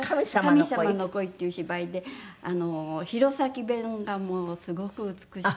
『カミサマの恋』っていう芝居で弘前弁がもうすごく美しくて。